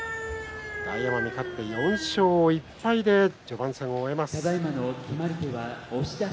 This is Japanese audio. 大奄美、勝って４勝１敗で序盤戦を終えます。